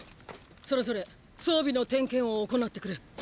それぞれ装備の点検を行ってくれ。